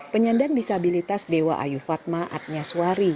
penyandang disabilitas dewa ayu fatma adnya suwari